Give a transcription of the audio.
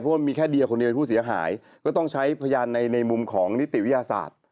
เพราะว่ามีแค่เดียคนเดียวเป็นผู้เสียหายก็ต้องใช้พยานในมุมของนิติวิทยาศาสตร์